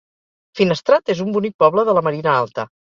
Finestrat és un bonic poble de la Marina Alta.